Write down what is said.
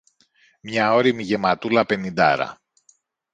Μια ώριμη γεματούλα πενηντάρα